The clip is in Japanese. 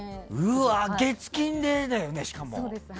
月金でだよね、しかも。